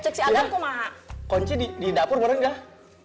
ke kantor juragan